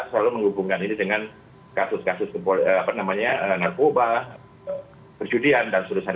selalu menghubungkan ini dengan kasus kasus narkoba perjudian dan sebagainya